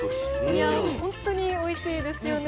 いやぁ本当においしいですよね。